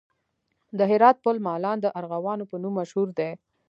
د هرات پل مالان د ارغوانو په نوم مشهور دی